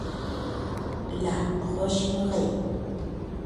La Roche-Morey